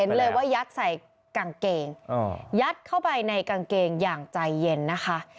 เลยว่ายัดใส่กางเกงยัดเข้าไปในกางเกงอย่างใจเย็นนะคะ